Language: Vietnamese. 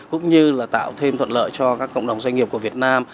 cũng như là tạo thêm thuận lợi cho các cộng đồng doanh nghiệp của việt nam